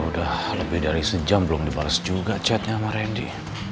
udah lebih dari sejam belum dibalas juga chatnya sama randy